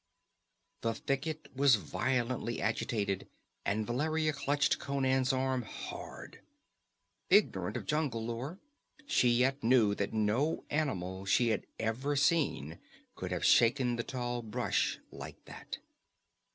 The thicket was violently agitated, and Valeria clutched Conan's arm hard. Ignorant of jungle lore, she yet knew that no animal she had ever seen could have shaken the tall brush like that.